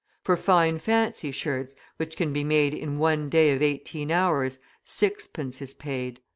For fine, fancy shirts, which can be made in one day of eighteen hours, 6d. is paid.